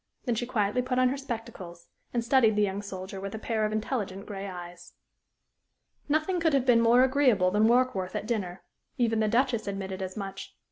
Then she quietly put on her spectacles and studied the young soldier with a pair of intelligent gray eyes. Nothing could have been more agreeable than Warkworth at dinner. Even the Duchess admitted as much.